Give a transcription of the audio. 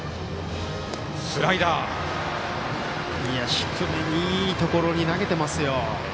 低めにいいところに投げてますよ。